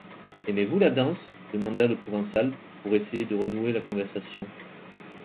Aimez-vous la danse? demanda le Provençal, pour essayer de renouer la conversation.